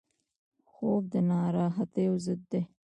خوب د ناراحتیو ضد دی